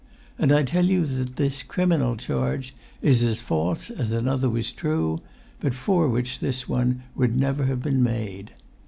And I tell you that this criminal charge is as false as another was true, but for which this one would never have been made.